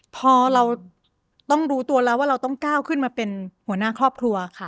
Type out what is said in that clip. พอเราต้องรู้ตัวแล้วว่าเราต้องก้าวขึ้นมาเป็นหัวหน้าครอบครัว